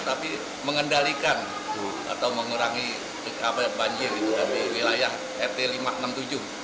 tapi mengendalikan atau mengurangi banjir di wilayah rt lima ratus enam puluh tujuh